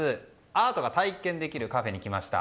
アートが体験できるカフェに来ました。